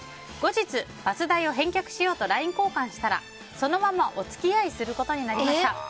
後日、バス代を返却しようとＬＩＮＥ交換したらそのままお付き合いすることになりました。